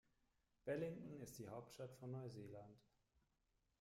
Wellington ist die Hauptstadt von Neuseeland.